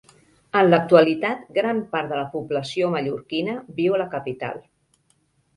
En l'actualitat gran part de la població mallorquina viu a la capital.